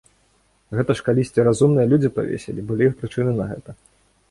Гэта ж калісьці разумныя людзі павесілі, былі прычыны на гэта.